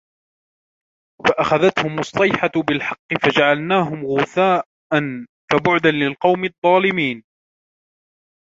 فأخذتهم الصيحة بالحق فجعلناهم غثاء فبعدا للقوم الظالمين